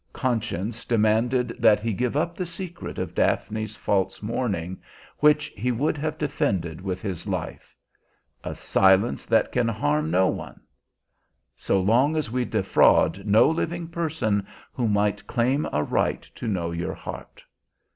Conscience demanded that he give up the secret of Daphne's false mourning, which he would have defended with his life. "A silence that can harm no one." "So long as we defraud no living person who might claim a right to know your heart."